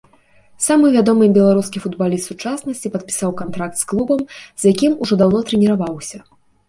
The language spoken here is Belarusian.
Самы вядомы беларускі футбаліст сучаснасці падпісаў кантракт з клубам, з якім ужо даўно трэніраваўся.